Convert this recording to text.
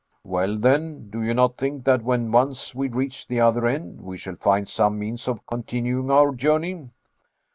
"Well, then, do you not think that when once we reach the other end, we shall find some means of continuing our journey?"